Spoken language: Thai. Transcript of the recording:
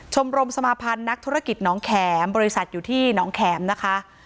ชมรมสมาพันธ์นักธุรกิจน้องแข็มบริษัทอยู่ที่หนองแขมนะคะ